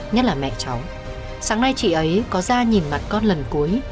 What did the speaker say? nhất là mẹ cháu sáng nay chị ấy có ra nhìn mặt con lần cuối